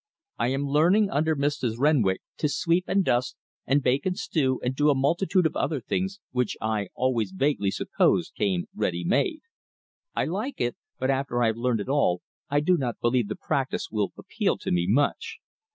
I am learning under Mrs. Renwick to sweep and dust and bake and stew and do a multitude of other things which I always vaguely supposed came ready made. I like it; but after I have learned it all, I do not believe the practise will appeal to me much.